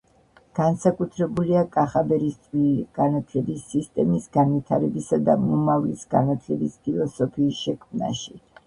განსაკუთრებულია კახაბერის წვლილი განათლების სისტემის განვითარებისა და მომავლის განათლების ფილოსოფიის შექმნაში